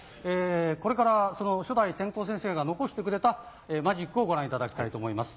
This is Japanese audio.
これからその初代天功先生が残してくれたマジックをご覧いただきたいと思います。